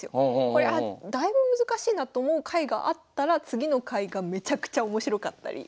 これあっだいぶ難しいなと思う回があったら次の回がめちゃくちゃ面白かったり。